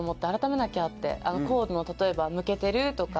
コードの例えばむけてるとか。